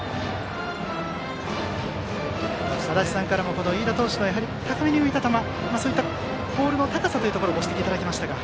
足達さんからも飯田投手の高めに浮いた球ボールの高さというご指摘をいただきましたが。